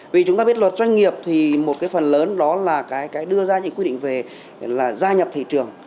vì chúng ta biết luật doanh nghiệp thì một cái phần lớn đó là cái đưa ra những quy định về là gia nhập thị trường